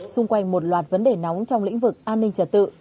xung quanh một loạt vấn đề nóng trong lĩnh vực an ninh trật tự